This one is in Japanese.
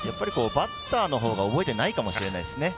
ピッチャーのほうが覚えてるかもしれないですね。